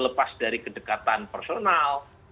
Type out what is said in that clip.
lepas dari kedekatan personal